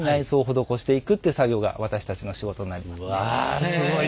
うわすごい。